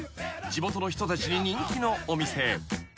地元の人たちに人気のお店］